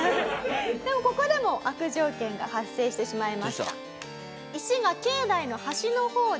でもここでも悪条件が発生してしまいました。